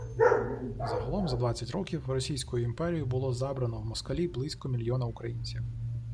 Загалом за двадцять років Російською імперією було «забрано в москалі» близько мільйона українців!